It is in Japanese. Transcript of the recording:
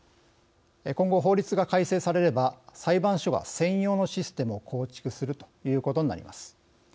今後、法律が改正されれば裁判所が専用のシステムを構築するということになります。